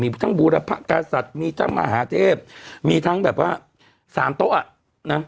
มีทั้งบูรพกษัตริย์มีทั้งมหาเทพมีทั้งแบบว่าสามโต๊ะอ่ะนะ